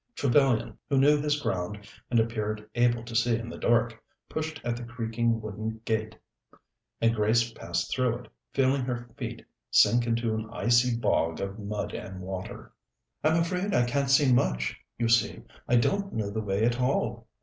Trevellyan, who knew his ground and appeared able to see in the dark, pushed at the creaking wooden gate, and Grace passed through it, feeling her feet sink into an icy bog of mud and water. "I'm afraid I can't see much. You see, I don't know the way at all."